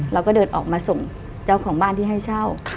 เราก็เดินออกมาส่งเจ้าของบ้านที่ให้เช่า